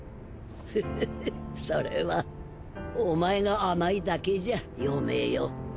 フッフッフッそれはお前が甘いだけじゃ葉明よ。